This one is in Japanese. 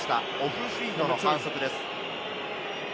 オフフィートの反則です。